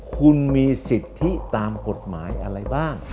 คุณมีสิทธิตามกฎหมายอะไรบ้าง